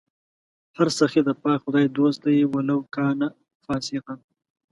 هر سخي د پاک خدای دوست دئ ولو کانَ فاسِقا